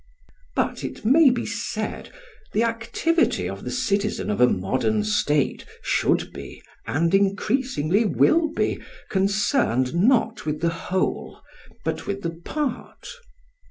But, it may be said, the activity of the citizen of a modern state should be and increasingly will be concerned not with the whole but with the part.